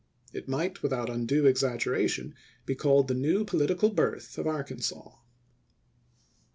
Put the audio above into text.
It might without undue exaggeration be called the new political birth of Arkansas.